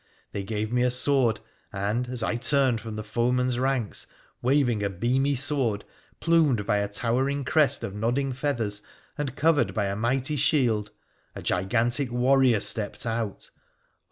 They gave me a sword, and, as I turned, from the foemen's ranks, waving a beamy sword, plumed by a towering crest of nodding feathers and covered by a mighty shield, a gigantic warrior stepped out.